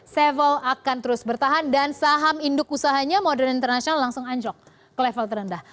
sevel akan terus bertahan dan saham induk usahanya modern internasional langsung anjok ke level terendah